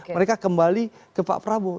mereka kembali ke pak prabowo